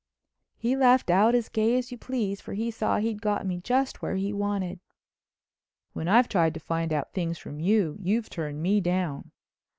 He laughed out as gay as you please, for he saw he'd got me just where he wanted. "When I've tried to find out things from you you've turned me down."